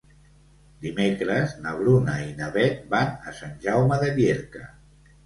Dimecres na Bruna i na Beth van a Sant Jaume de Llierca.